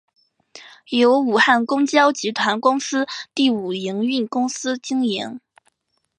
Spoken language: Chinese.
由武汉公交集团公司第五营运公司经营。